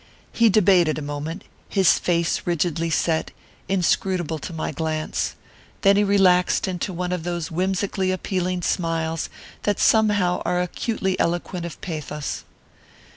"He debated a moment, his face rigidly set, inscrutable to my glance. Then he relaxed into one of those whimsically appealing smiles that somehow are acutely eloquent of pathos.